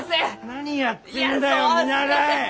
何やってんだよ見習い！